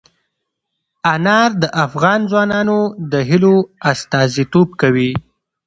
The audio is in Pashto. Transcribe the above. انار د افغان ځوانانو د هیلو استازیتوب کوي.